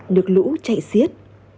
nước lũ chạy xiết